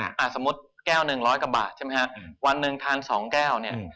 แค่ทางหนึ่งร้อยกว่าบาทวันทาน๒แค่วัน